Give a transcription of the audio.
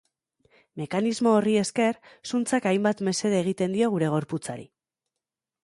Mekanismo horri esker, zuntzak hainbat mesede egiten dio gure gorputzari.